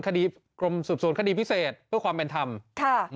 คดีกรมสืบสวนคดีพิเศษเพื่อความเป็นธรรม